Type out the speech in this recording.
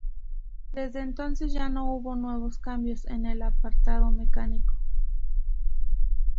Desde entonces ya no hubo nuevos cambios en el apartado mecánico.